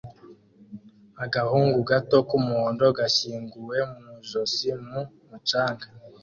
Agahungu gato k'umuhondo gashyinguwe mu ijosi mu mucanga